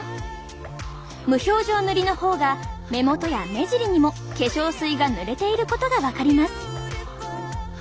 無表情塗りの方が目元や目尻にも化粧水が塗れていることが分かります。